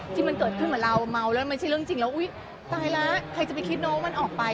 ที่มันเกิดขึ้นเหมือนเราเมาแล้วไม่ใช่เรื่องจริงแล้วอุ๊ยตายแล้วใครจะไปคิดน้องว่ามันออกไป